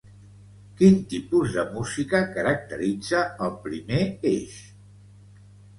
Quin tipus de música caracteritza el primer eix?